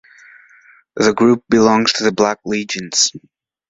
The group belongs to the Black Legions.